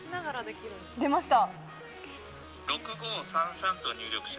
出ました。